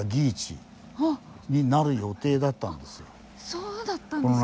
そうだったんですか。